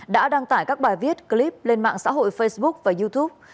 đã đăng tải các bài viết clip lên mạng xã hội facebook và youtube